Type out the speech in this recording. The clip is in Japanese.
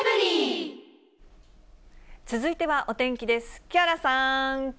続いてはお天気です。